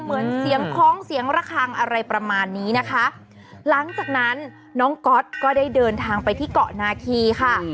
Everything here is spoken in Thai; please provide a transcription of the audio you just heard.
เหมือนเสียงคล้องเสียงระคังอะไรประมาณนี้นะคะหลังจากนั้นน้องก๊อตก็ได้เดินทางไปที่เกาะนาคีค่ะ